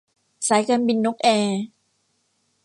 สายการบินนกแอร์